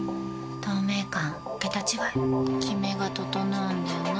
透明感桁違いキメが整うんだよな。